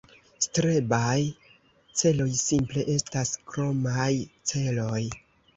Strebaj celoj simple estas kromaj celoj